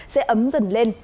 sẽ ấm dần lên